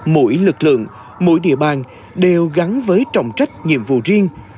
mỗi lực lượng mỗi địa bàn đều gắn với trọng trách nhiệm vụ riêng